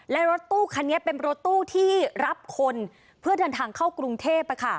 และรถตู้คันนี้เป็นรถตู้ที่รับคนเพื่อเดินทางเข้ากรุงเทพ